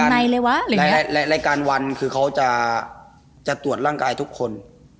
ในรายการวันคือจะตรวจร่างกายทุกคน